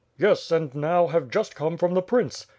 "Yes, and now have just come from the prince."